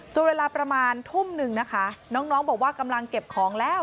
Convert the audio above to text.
เวลาประมาณทุ่มหนึ่งนะคะน้องบอกว่ากำลังเก็บของแล้ว